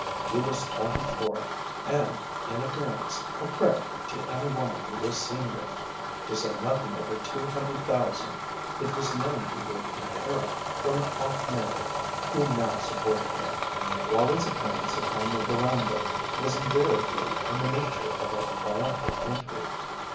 He was twenty four, and, in appearance, a credit to any woman he was seen with, to say nothing of the two hundred thousand it was known he would inherit from Aunt Mary, who now supported him. Wallie's appearance upon the veranda was invariably in the nature of a triumphal entry.